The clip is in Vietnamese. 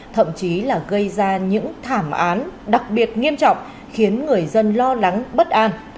thậm chí là gây ra những thảm án đặc biệt nghiêm trọng khiến người dân lo lắng bất an